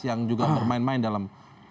yang juga bermain main dalam